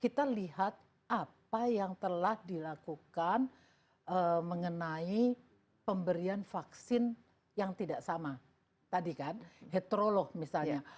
kita lihat apa yang telah dilakukan mengenai pemberian vaksin yang tidak sama tadi kan heterolog misalnya